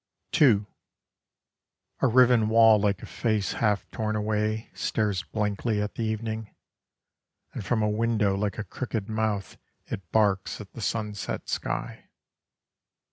II A riven wall like a face half torn away Stares blankly at the evening: And from a window like a crooked mouth It barks at the sunset sky.